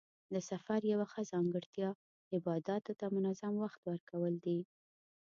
د سفر یوه ښه ځانګړتیا عباداتو ته منظم وخت ورکول دي.